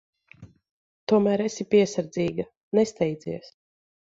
Tomēr esi piesardzīga. Nesteidzies.